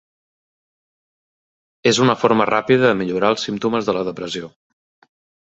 És una forma ràpida de millorar els símptomes de la depressió.